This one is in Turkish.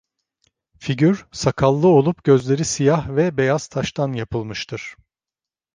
Figür, sakallı olup gözleri siyah ve beyaz taştan yapılmıştır.